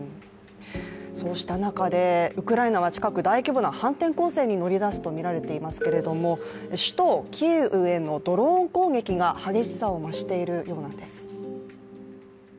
そうした中で、ウクライナは近く大規模な反転攻勢に出るとみられていますけれども首都キーウへのドローン攻撃が激しさを増しているようなんです。